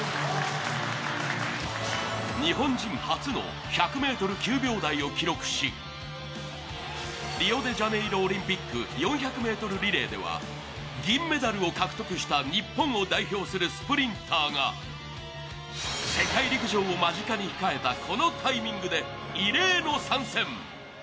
日本人初の１００ｍ９秒台を記録し、リオデジャネイロオリンピック４００ｍリレーでは銀メダルを獲得した日本を代表するすぷりんたーが世界陸上を間近に控えたこのタイミングで、異例の参戦。